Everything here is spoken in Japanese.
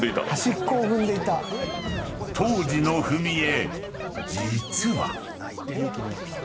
［当時の踏絵実は］